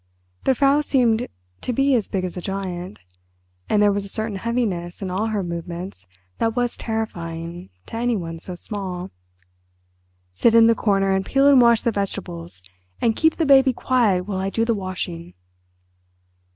The Frau seemed to be as big as a giant, and there was a certain heaviness in all her movements that was terrifying to anyone so small. "Sit in the corner, and peel and wash the vegetables, and keep the baby quiet while I do the washing."